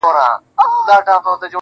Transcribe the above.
چي ورته ځېر سومه,